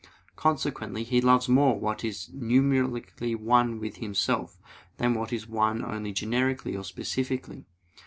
Consequently he loves more what is numerically one with himself, than what is one only generically or specifically.